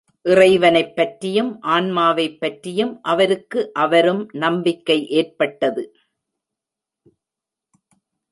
இறைவனைப் பற்றியும் ஆன்மாவைப் பற்றியும் அவருக்கு அவரும் நம்பிக்கை ஏற்பட்டது.